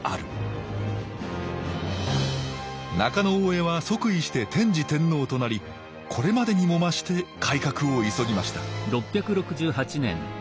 中大兄は即位して天智天皇となりこれまでにも増して改革を急ぎました